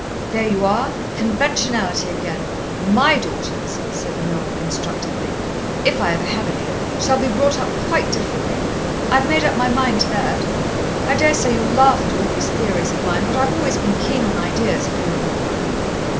"There you are! Conventionality again. My daughters," said Noel instructively, "if I ever have any, shall be brought up quite differently. I've made up my mind to that. I daresay you'll laugh at all these theories of mine, but I've always been keen on ideas, if you remember."